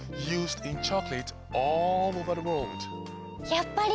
やっぱり！